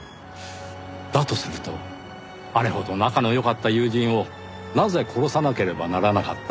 だとするとあれほど仲の良かった友人をなぜ殺さなければならなかったのか。